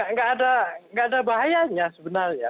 nggak ada bahayanya sebenarnya